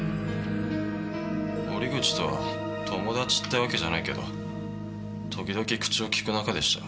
折口とは友達ってわけじゃないけど時々口をきく仲でした。